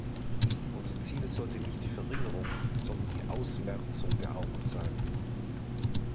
Unser Ziel sollte nicht die Verringerung, sondern die Ausmerzung der Armut sein.